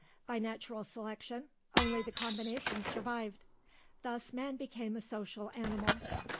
By natural selection only the combinations survived. Thus man became a social animal.